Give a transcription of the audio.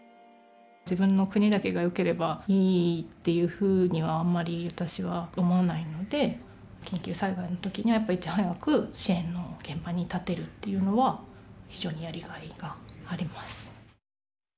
自分の国だけがよければいいっていうふうにはあんまり私は思わないので緊急災害の時にはやっぱいち早く支援の現場に立てるっていうのは非常にやりがいがあります。